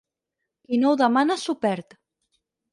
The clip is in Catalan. Qui no ho demana s'ho perd.